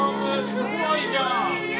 すごいじゃん！